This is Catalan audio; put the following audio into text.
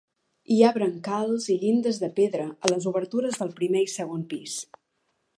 Hi ha brancals i llindes de pedra a les obertures del primer i segon pis.